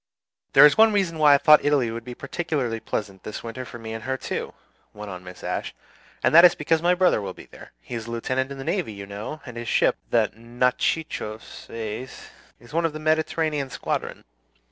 "There is one reason why I thought Italy would be particularly pleasant this winter for me and for her too," went on Mrs. Ashe; "and that is, because my brother will be there. He is a lieutenant in the navy, you know, and his ship, the 'Natchitoches,' is one of the Mediterranean squadron.